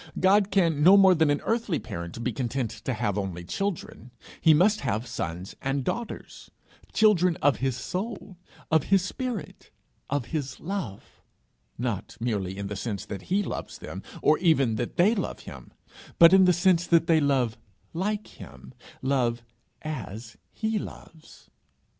God can no more than an earthly parent be content to have only children: he must have sons and daughters children of his soul, of his spirit, of his love not merely in the sense that he loves them, or even that they love him, but in the sense that they love like him, love as he loves.